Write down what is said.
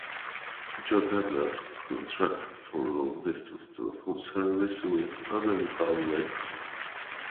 Joe Douglas contracted for long distance telephone service with America Online.